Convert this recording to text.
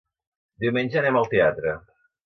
Diumenge anem al teatre.